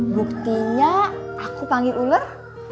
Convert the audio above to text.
buktinya aku panggil ular